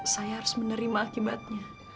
saya harus menerima akibatnya